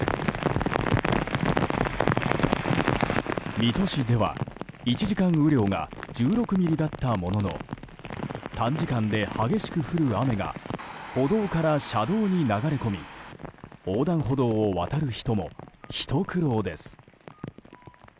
水戸市では、１時間雨量が１６ミリだったものの短時間で激しく降る雨が歩道から車道に流れ込み横断歩道を渡る人もひと苦労です。